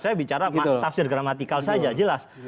saya bicara tafsir gramatikal saja jelas